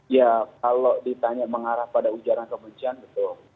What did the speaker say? ya kalau ditanya mengarah pada ujaran kebencian betul